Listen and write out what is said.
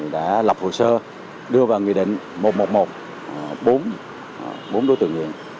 đã lập hồ sơ đưa vào nghị định một trăm một mươi một bốn đối tượng nguyện